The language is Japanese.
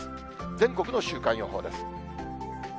全国の週間予報です。